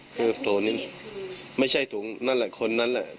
คือตัวนี้ไม่ใช่ถุงนั่นแหละคนนั้นแหละ